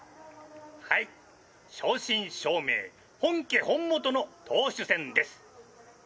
はい正真正銘本家本元の投手戦です。